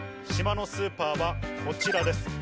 島のスーパーはこちらです。